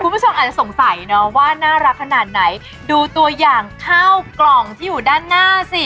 คุณผู้ชมอาจจะสงสัยเนอะว่าน่ารักขนาดไหนดูตัวอย่างข้าวกล่องที่อยู่ด้านหน้าสิ